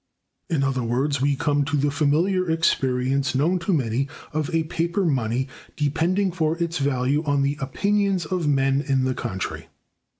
In other words, we come to the familiar experience, known to many, of a paper money depending for its value on the opinions of men in the country.